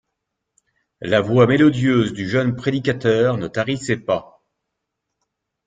La voix mélodieuse du jeune prédicateur ne tarissait pas.